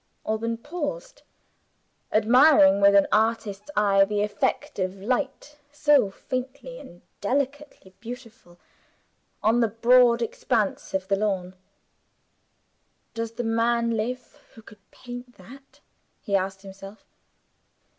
Alban paused, admiring with an artist's eye the effect of light, so faintly and delicately beautiful, on the broad expanse of the lawn. "Does the man live who could paint that?" he asked himself.